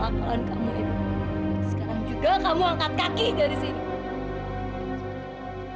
sekarang juga kamu angkat kaki dari sini